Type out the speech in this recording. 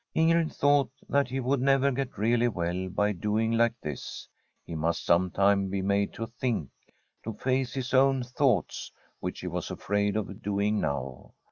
Ingrid thought that he would never get really well by doing like this. He must some time be made to think — to face his own thoughts, which he was afraid of doing now.